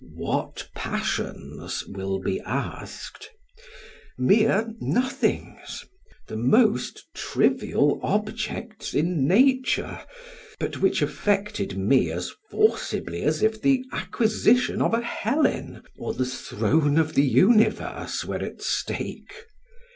What passions? will be asked: mere nothings: the most trivial objects in nature, but which affected me as forcibly as if the acquisition of a Helen, or the throne of the universe were at stake.